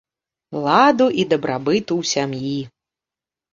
Ладу і дабрабыту ў сям'і!